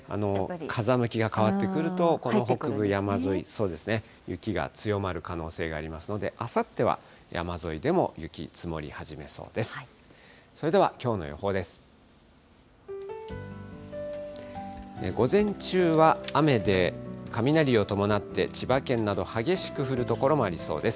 風向きが変わってくると、この北部山沿い、雪が強まる可能性がありますので、あさっては山沿いでも雪、積もり始めそうです。